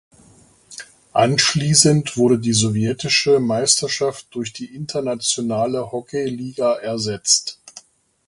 Anschließend wurde die sowjetische Meisterschaft durch die Internationale Hockey-Liga ersetzt.